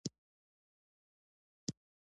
چنډخه دوه ژواکه حیوان دی